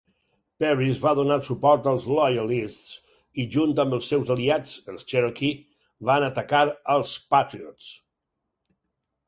Pearis va donar suport als Loyalists i, junt amb els seus aliats, els Cherokee, van atacar als Patriots.